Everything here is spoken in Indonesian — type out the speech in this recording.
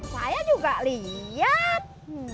saya juga liat